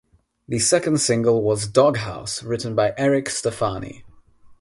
The second single was "Doghouse", written by Eric Stefani.